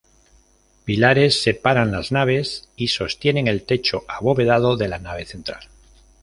Pilares separan las naves y sostienen el techo abovedado de la nave central.